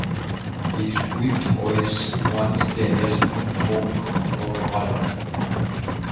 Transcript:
Es gilt als eines der ersten Folk-Rock-Alben.